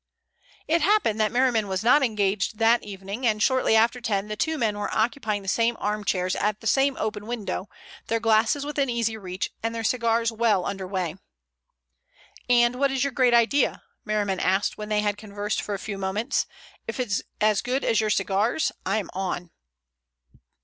It happened that Merriman was not engaged that evening, and shortly after ten the two men were occupying the same arm chairs at the same open window, their glasses within easy reach and their cigars well under way. "And what is your great idea?" Merriman asked when they had conversed for a few moments. "If it's as good as your cigars, I'm on."